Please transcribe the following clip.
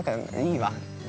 いいわ。